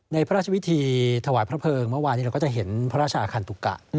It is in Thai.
พระราชวิธีถวายพระเพิงเมื่อวานนี้เราก็จะเห็นพระราชอาคันตุกะ